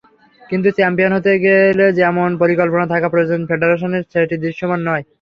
কিন্তু চ্যাম্পিয়ন হতে গেলে যেমন পরিকল্পনা থাকা প্রয়োজন ফেডারেশনের, সেটি দৃশ্যমান নয়।